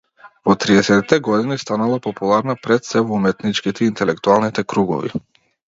Во триесеттите години станала популарна, пред сѐ во уметничките и интелектуалните кругови.